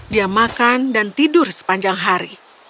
dia makan dan tidur sepanjang hari